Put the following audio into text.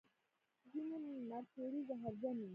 ځینې مرخیړي زهرجن وي